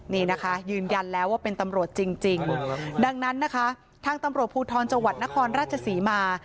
นี่นะคะยืนยันแล้วว่าเป็นตำรวจจริงดังนั้นนะคะทางตำรวจภูทรจังหวัดนครราชศรีมา